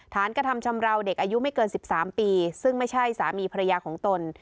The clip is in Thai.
กระทำชำราวเด็กอายุไม่เกิน๑๓ปีซึ่งไม่ใช่สามีภรรยาของตน